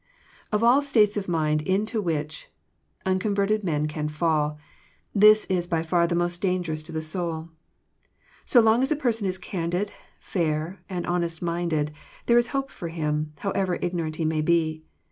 Of all states of mind into which unconverted men can ; fall, this is by far the most dangerous to the soul. So y long as a person is candid, fair, and honest minded, there is hope for him, however ignorant he may be.